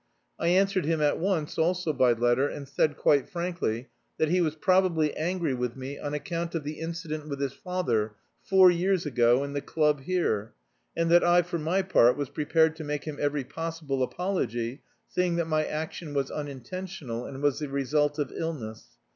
I answered him at once, also by letter, and said, quite frankly, that he was probably angry with me on account of the incident with his father four years ago in the club here, and that I for my part was prepared to make him every possible apology, seeing that my action was unintentional and was the result of illness.